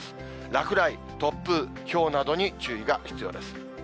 落雷、突風、ひょうなどに注意が必要です。